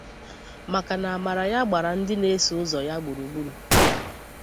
Maka na amara ya gbara ndi n'eso ụzọ ya gburu gburu.